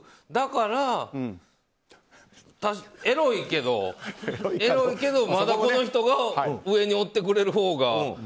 だから、えろいけどまだこの人が上におってくれるほうが。